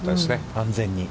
安全に。